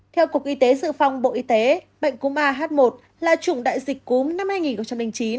theo cục y tế dự phòng bộ y tế bệnh cúm ah một là chủng đại dịch cúm năm hai nghìn chín